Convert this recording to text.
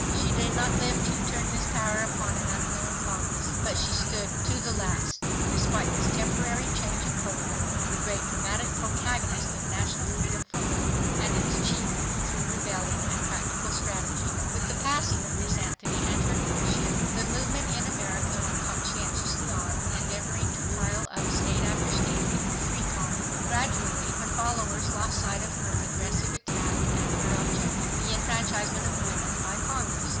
She did not live to turn this power upon an unwilling Congress. But she stood to the last, despite this temporary change of program, the great dramatic protagonist of national freedom for women and its achievement through rebellion and practical strategy. With the passing of Miss Anthony and her leadership, the movement in America went conscientiously on endeavoring to pile up state after state in the "free column." Gradually her followers lost sight of her aggressive attack and her objective the enfranchisement of women by Congress.